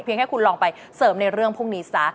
แค่คุณลองไปเสริมในเรื่องพวกนี้ซะ